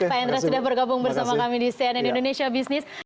pak hendra sudah bergabung bersama kami di cnn indonesia business